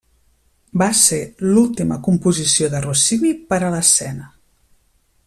Va ser l'última composició de Rossini per a l'escena.